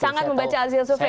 sangat membaca hasil survei